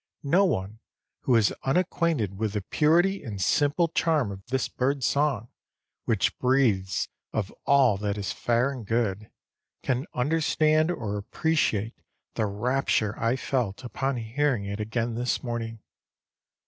No one who is unacquainted with the purity and simple charm of this bird's song, which breathes of all that is fair and good, can understand or appreciate the rapture I felt upon hearing it again this morning.